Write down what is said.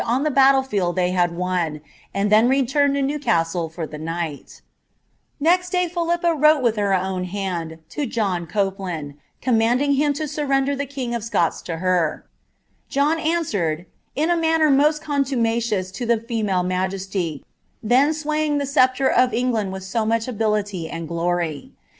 All the rest of the day the queen and her army remained m the battle field they had won, and then returned to Newcastle for the light" Next day Philippa wrote with her own hand to John Copeland, xnnaianding him to surrender the king of Scots to her. John answered D • manner most contumacious to the female majesty, then swaying the oeptre of EIngland with so much ability and glory.